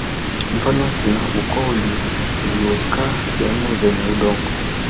Mfano kuna ukoo uliokaa sehemu zenye udongo